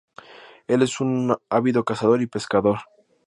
Él es un ávido cazador y pescador.